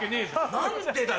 何でだよ！